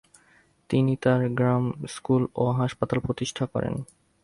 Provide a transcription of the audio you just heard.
তিনি তার গ্রামে স্কুল ও হাসপাতাল প্রতিষ্ঠা করেন।